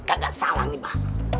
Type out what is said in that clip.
kagak salah nih pak